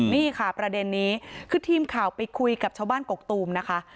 นี่ค่ะประเด็นนี้คือทีมข่าวไปคุยกับชาวบ้านกกตูมนะคะ